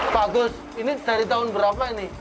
pak gus ini dari tahun berapa ini